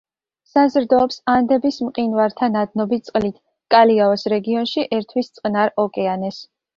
საზრდოობს ანდების მყინვართა ნადნობი წყლით, კალიაოს რეგიონში ერთვის წყნარ ოკეანეს.